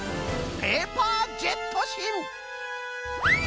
ペーパー・ジェット・シン！